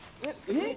えっ？